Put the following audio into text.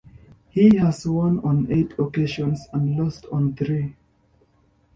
He has won on eight occasions and lost on three.